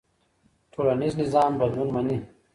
ټولنيز نظام بدلون مني.